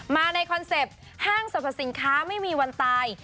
มาในคอนเซ็ปต์ห้างสรรพสินค้าไม่มีวันตาย